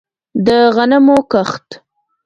د غنمو کښت